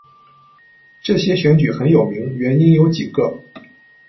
这些选举很有名，原因有几个。